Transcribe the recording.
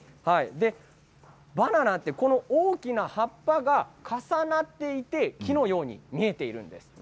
バナナってこの大きな葉っぱが重なって木のように見えているんです。